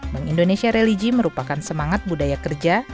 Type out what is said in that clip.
bank indonesia religi merupakan semangat budaya kerja